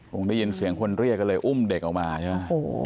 คงได้ยินเสียงคนเรียกก็เลยอุ้มเด็กออกมาใช่ไหม